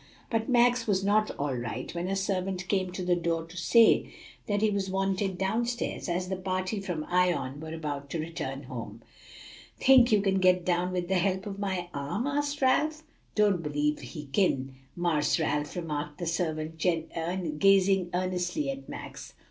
But Max was not all right when a servant came to the door to say that he was wanted down stairs, as the party from Ion were about to return home. "Think you can get down with the help of my arm?" asked Ralph. "Don't b'lieve he kin, Marse Ralph," remarked the servant, gazing earnestly at Max.